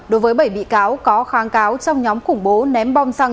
đối với bảy bị cáo có kháng cáo trong nhóm khủng bố ném bom xăng